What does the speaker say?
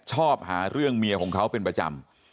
ชอบหาเรื่องเมียของเขาเป็นประจำ